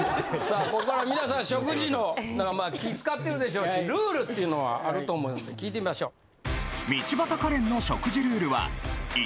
さあこっから皆さん食事のまあ気使ってるでしょうしルールっていうのはあると思うんで聞いてみましょう。